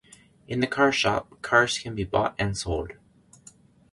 In the car shop, cars can be bought and sold.